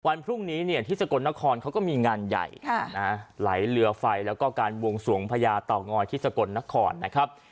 วันพรุ่งนี้เนี่ยที่สกลนครเขาก็มีงานใหญ่ไหลเรือไฟแล้วก็การบวงสวงพญาเต่างอยที่สกลนครนะครับ